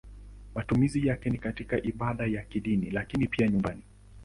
Matumizi yake ni katika ibada za kidini lakini pia nyumbani.